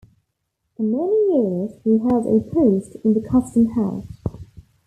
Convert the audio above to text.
For many years he held a post in the custom house.